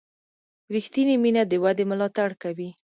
ریښتینې مینه د ودې ملاتړ کوي.